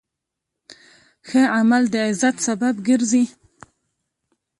ښه عمل د عزت سبب ګرځي.